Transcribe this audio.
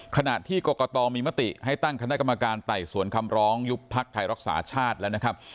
ขณะที่กรกตมีมติให้ตั้งคณะกรรมการไต่สวนคำร้องยุบพักไทยรักษาชาติแล้วนะครับ